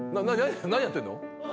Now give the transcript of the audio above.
何やってんの？